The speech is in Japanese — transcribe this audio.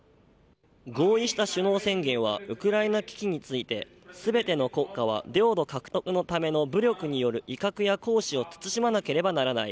合意した首脳宣言はウクライナ危機について全ての国家は領土獲得のための武力による威嚇や行使を慎まなければならない。